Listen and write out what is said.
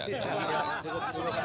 ya sudah sudah pak